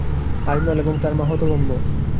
আজমল এবং তার মা হতভম্ব।